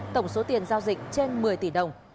tổng số tiền giao dịch trên một mươi tỷ đồng